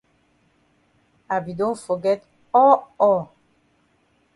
I be don forget all all.